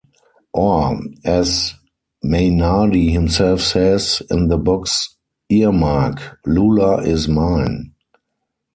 Or, as Mainardi himself says in the book's earmark, Lula is mine.